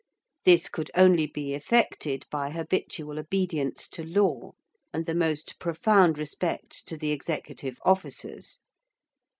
This could only be effected by habitual obedience to law and the most profound respect to the executive officers.